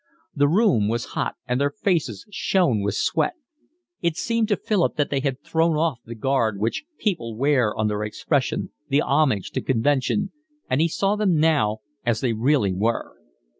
The room was hot, and their faces shone with sweat. It seemed to Philip that they had thrown off the guard which people wear on their expression, the homage to convention, and he saw them now as they really were.